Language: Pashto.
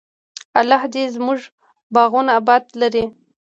الله دې زموږ باغونه اباد لري.